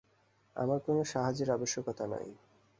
আমার কোন সাহায্যের আবশ্যকতা নাই।